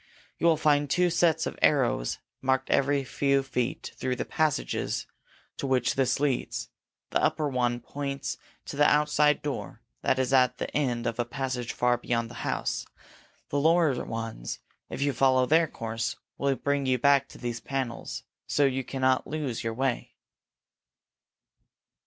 You will find two sets of arrows marked every few feet through the passages to which this leads. The upper ones point to the outside door that is at the end of a passage far beyond the house. The lower ones, if you follow their course, will bring you back to these panels. So you cannot lose your way."